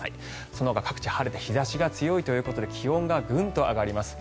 そのほか各地晴れて日差しが強いということで気温がグンと上がります。